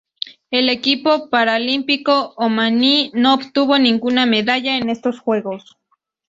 El equipo paralímpico omaní no obtuvo ninguna medalla en estos Juegos.